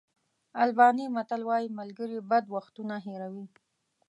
آلباني متل وایي ملګري بد وختونه هېروي.